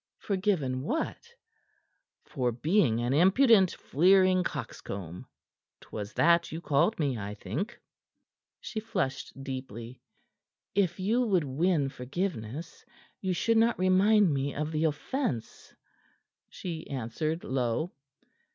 "Forgiven what?" "For being born an impudent, fleering coxcomb twas that you called me, I think." She flushed deeply. "If you would win forgiveness, you should not remind me of the offence," she answered low.